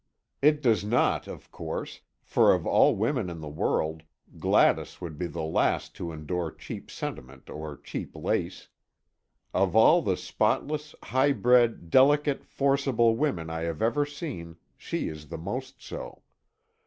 It does not, of course, for of all women in the world, Gladys would be the last to endure cheap sentiment or cheap lace. Of all the spotless, high bred, delicate, forcible women I have ever seen, she is the most so.